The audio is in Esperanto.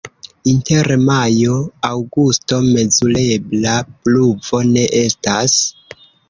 Inter majo-aŭgusto mezurebla pluvo ne estas.